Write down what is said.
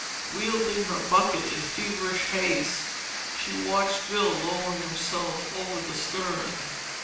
Wielding her bucket in feverish haste, she watched Bill lower himself over the stern.